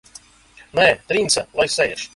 Nē, Trince lai sēž!